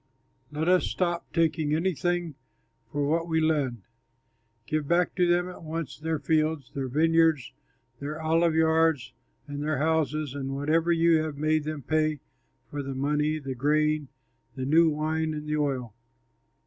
Let us stop taking anything for what we lend. Give back to them at once their fields, their vineyards, their olive yards, and their houses, and whatever you have made them pay for the money, the grain, the new wine and the oil."